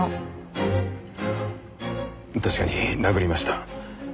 確かに殴りました。